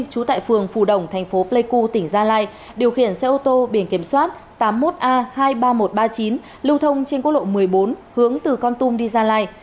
trú tại phường phù đồng thành phố pleiku tỉnh gia lai điều khiển xe ô tô biển kiểm soát tám mươi một a hai mươi ba nghìn một trăm ba mươi chín lưu thông trên quốc lộ một mươi bốn hướng từ con tum đi gia lai